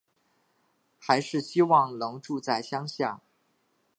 还是希望能住在乡下